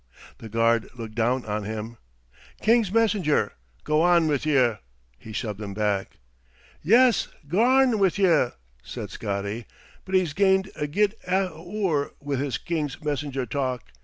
The guard looked down on him. "King's messenger! Go on with yer!" He shoved him back. "Yes, garn with yer!" said Scotty, "but he's gained a guid half oor wi' his King's messenger talk.